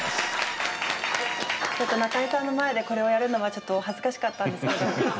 ちょっと中井さんの前でこれをやるのはちょっと恥ずかしかったんですけど。